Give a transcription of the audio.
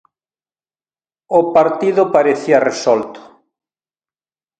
O partido parecía resolto.